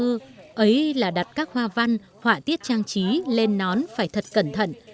thơ ấy là đặt các hoa văn họa tiết trang trí lên nón phải thật cẩn thận